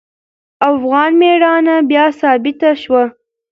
افغان میړانه بیا ثابته شوه.